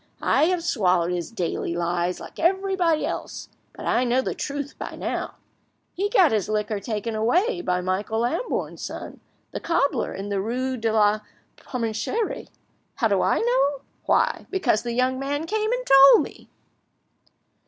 I have swallowed his daily lies like everybody else, but I know the truth by now. He got his liquor taken away by Michael Lambourne's son, the cobbler in the rue de la Parcheminerie. How do I know? Why, because the young man came and told me!"